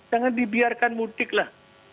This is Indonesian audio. jangan dibiarkan mudiklah